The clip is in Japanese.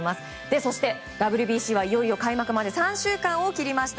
そして、ＷＢＣはいよいよ開幕まで３週間を切りました。